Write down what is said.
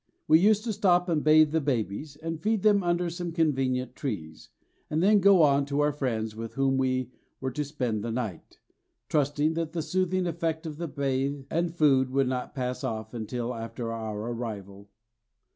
We used to stop and bathe the babies, and feed them under some convenient trees, and then go on to our friends with whom we were to spend the night, trusting that the soothing effect of the bathe and food would not pass off until after our arrival.